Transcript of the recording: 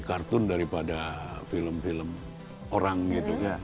kartun daripada film film orang gitu kan